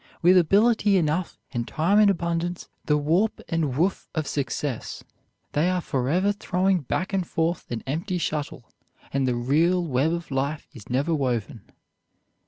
With ability enough, and time in abundance, the warp and woof of success, they are forever throwing back and forth an empty shuttle, and the real web of life is never woven.